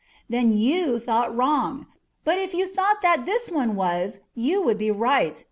"Then you thought wrong. But if you thought that this one was you would be right.